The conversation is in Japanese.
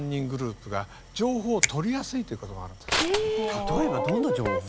例えばどんな情報？